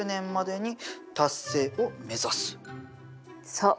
そう。